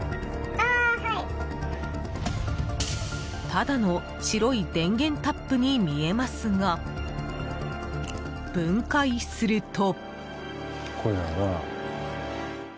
ただの白い電源タップに見えますが分解すると。